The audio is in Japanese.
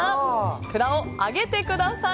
札を上げてください。